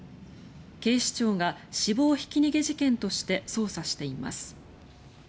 警視庁が死亡ひき逃げ事件として捜査しています。